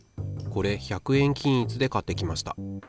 これ１００円均一で買ってきました。